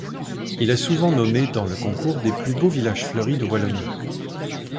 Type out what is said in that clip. Il est souvent nommé dans le concours des plus beaux villages fleuris de Wallonie.